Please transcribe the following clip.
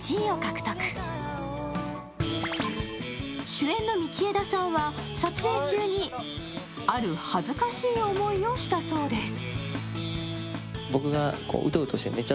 主演の道枝さんは撮影中に、ある恥ずかしい思いをしたそうです。